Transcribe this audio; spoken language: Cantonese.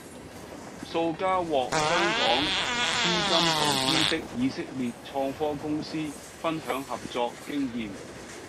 數家獲香港資金投資的以色列創科公司分享合作經驗